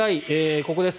ここです。